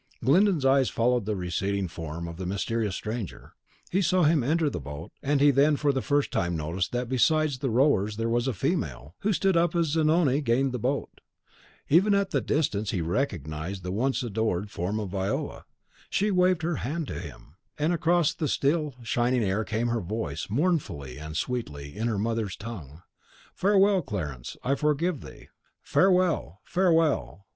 Glyndon's eyes followed the receding form of the mysterious stranger. He saw him enter the boat, and he then for the first time noticed that besides the rowers there was a female, who stood up as Zanoni gained the boat. Even at the distance he recognised the once adored form of Viola. She waved her hand to him, and across the still and shining air came her voice, mournfully and sweetly, in her mother's tongue, "Farewell, Clarence, I forgive thee! farewell, farewell!"